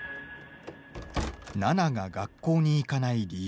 奈々が学校に行かない理由